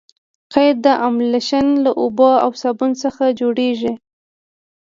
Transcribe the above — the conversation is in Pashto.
قیر املشن له اوبو او صابون څخه جوړیږي